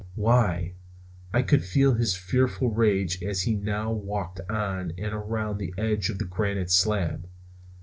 Why, I could feel his fearful rage as he now walked on and around the edge of that granite slab.